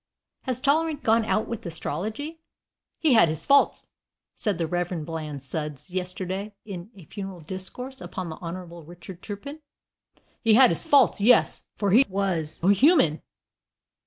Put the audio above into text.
Has tolerance gone out with astrology? "He had his faults," said the Reverend Bland Sudds yesterday in a funeral discourse upon the Honorable Richard Turpin "he had his faults, yes, for he was human."